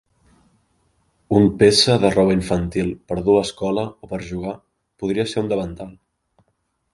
Un peça de roba infantil per dur a escola o per jugar podria ser un davantal.